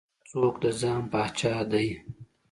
هر څوک د ځان پاچا دى.